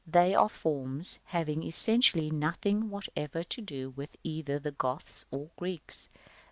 They are forms having essentially nothing whatever to do either with Goths or Greeks.